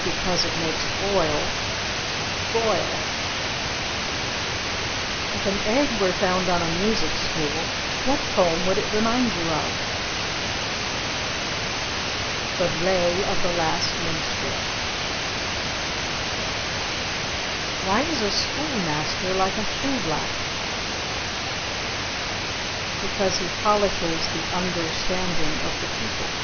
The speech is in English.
Because it makes oil Boil. If an egg were found on a music stool, what poem would it remind you of? "The Lay of the Last Minstrel." Why is a schoolmaster like a shoe black? Because he polishes the understanding of the people.